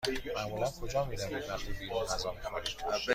معمولا کجا می روید وقتی بیرون غذا می خورید؟